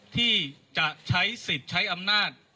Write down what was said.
ที่จะใช้สิทธิ์ใช้อำนาจ